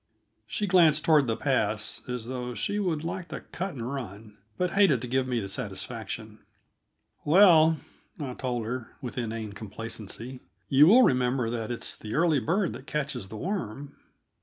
She glanced toward the pass, as though she would like to cut and run, but hated to give me the satisfaction. "Well," I told her with inane complacency, "you will remember that 'it's the early bird that catches the worm.'"